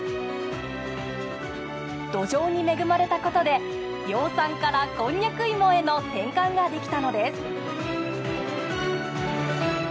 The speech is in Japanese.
土壌に恵まれたことで養蚕からこんにゃく芋への転換ができたのです。